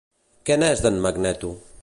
Què n'és d'en Magneto?